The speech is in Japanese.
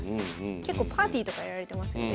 結構パーティーとかやられてますよね。